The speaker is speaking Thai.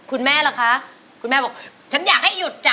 ล่ะคะคุณแม่บอกฉันอยากให้หยุดจ้ะ